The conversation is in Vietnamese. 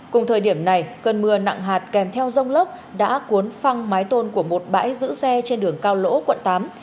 cùng thời điểm này cơn mưa nặng hạt kèm theo rông lốc đã cuốn phăng mái tôn của một bãi giữ xe trên đường cao lỗ quận tám